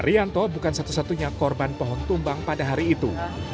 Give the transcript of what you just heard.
rianto bukan satu satunya korban pohon tumbang pada hari itu